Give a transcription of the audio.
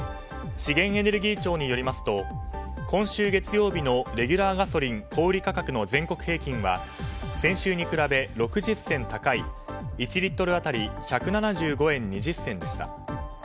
資源エネルギー庁によりますと今週月曜日のレギュラーガソリン小売価格の全国平均は先週に比べ６０銭高い１リットル当たり１７５円２０銭でした。